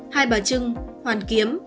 hai bà trưng hoàn kiếm